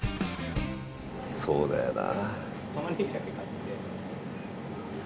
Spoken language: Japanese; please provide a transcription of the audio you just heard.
そうだよな。